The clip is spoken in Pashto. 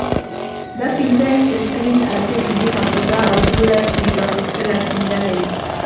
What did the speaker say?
دا پنځه انچه سکرین، اته جی بی حافظه، او دولس میګاپکسله کیمره لري.